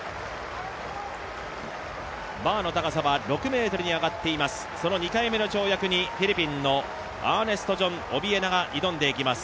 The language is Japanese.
バーの高さは６ｍに上がっています、その２回目の跳躍にフィリピンのアーネストジョン・オビエナが挑んでいきます。